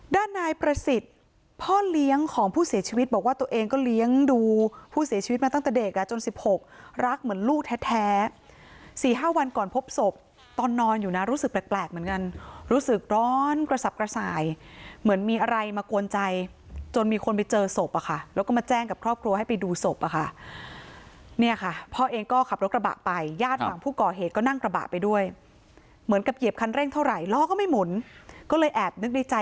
ด้านนายประสิทธิ์พ่อเลี้ยงของผู้เสียชีวิตบอกว่าตัวเองก็เลี้ยงดูผู้เสียชีวิตมาตั้งแต่เด็กละจนสิบหกรักเหมือนลูกแท้แท้สี่ห้าวันก่อนพบศพตอนนอนอยู่นะรู้สึกแปลกเหมือนกันรู้สึกร้อนกระสับกระส่ายเหมือนมีอะไรมากวนใจจนมีคนไปเจอศพอ่ะค่ะแล้วก็มาแจ้งกับครอบครัวให้ไปดูศพอ่ะค่ะเนี่ยค่ะ